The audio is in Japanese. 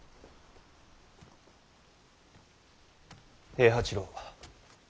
平八郎。